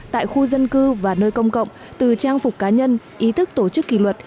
tại khu dân cư và nơi công cộng từ trang phục cá nhân ý thức tổ chức kỳ luật